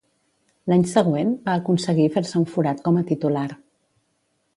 L'any següent, va aconseguir fer-se un forat com a titular.